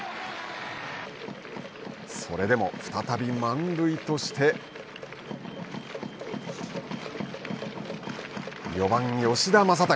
それでも再び満塁として４番吉田正尚。